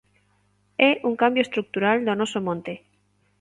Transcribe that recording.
É un cambio estrutural do noso monte.